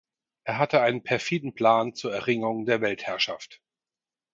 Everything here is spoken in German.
Er hatte einen perfiden Plan zur Erringung der Weltherrschaft.